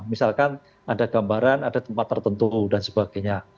misalkan ada gambaran ada tempat tertentu dan sebagainya